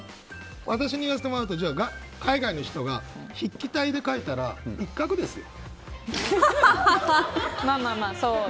私に言わせてもらえばじゃあ海外の人が筆記体で書いたら１画ですよ。